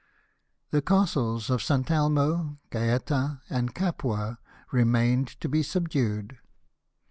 The castles of St. Elmo, Gaeta, and Capua, re mained to be subdued.